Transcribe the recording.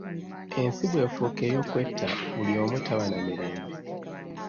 Ensi bw'efuuka ey'okwetta buli omu taba na Mirembe.